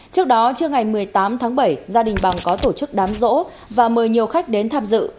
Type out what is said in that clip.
trước đó trưa ngày một mươi tám tháng bảy gia đình bằng có tổ chức đám rỗ và mời nhiều khách đến tham dự